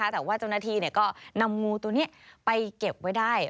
แต่ว่าเจ้าหน้าที่ก็นำงูตัวนี้ไปเก็บไว้ได้